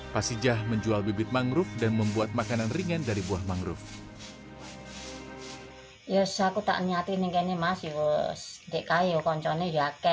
pasijah menjual bibit mangrove dan membuat makanan ringan dari buah mangrove